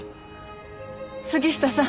杉下さん